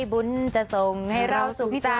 บุญจะส่งให้เราสุขใจ